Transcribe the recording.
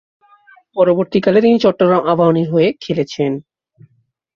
পরবর্তীকালে, তিনি চট্টগ্রাম আবাহনীর হয়ে খেলেছেন।